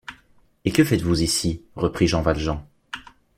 Et que faites-vous ici? reprit Jean Valjean.